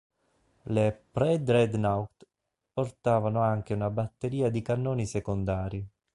Le pre-dreadnought portavano anche una batteria di cannoni secondari.